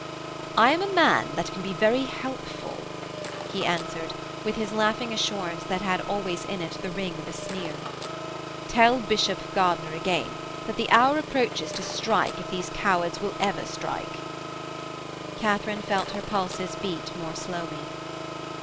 'I am a man that can be very helpful,' he answered, with his laughing assurance that had always in it the ring of a sneer. 'Tell Bishop Gardiner again, that the hour approaches to strike if these cowards will ever strike.' Katharine felt her pulses beat more slowly.